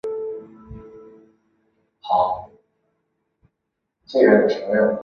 出道时其实声带结茧。